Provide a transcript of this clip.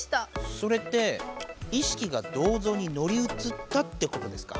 それって意識が銅像に乗り移ったってことですか？